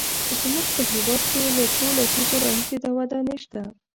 زموږ په هېواد کې له څو لسیزو راهیسې دا ودانۍ شته.